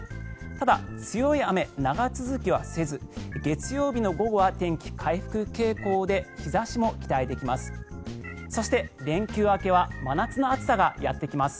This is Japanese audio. ただ強い雨、長続きはせず月曜日の午後は天気、回復傾向で日差しも期待できます。